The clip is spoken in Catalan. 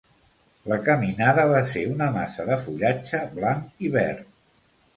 La caminada va ser una massa de fullatge blanc i verd.